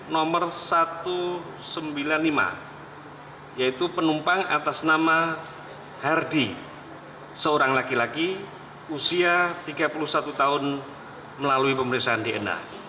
nomor satu ratus sembilan puluh lima yaitu penumpang atas nama hardy seorang laki laki usia tiga puluh satu tahun melalui pemeriksaan dna